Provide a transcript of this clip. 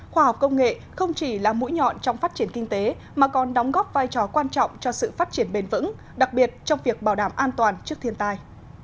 khoa học công nghệ không chỉ là mũi nhọn trong phát triển kinh tế mà còn đóng góp vai trò quan trọng cho sự phát triển bền vững đặc biệt trong việc bảo đảm an toàn trước thiên tai